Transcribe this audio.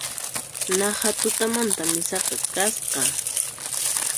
Naqha tutamanta misaqa kasqas